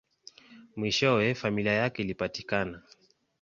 Mwishowe, familia yake ilipatikana.